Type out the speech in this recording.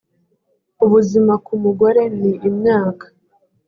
ubuzima ku mugore ni imyaka